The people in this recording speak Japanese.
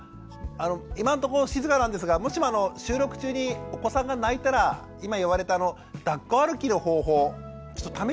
今んとこ静かなんですがもしも収録中にお子さんが泣いたら今言われただっこ歩きの方法ちょっと試してみて下さい。